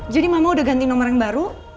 jadi mama udah ganti nomor yang baru